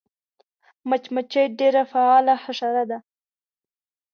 مچمچۍ ډېره فعاله حشره ده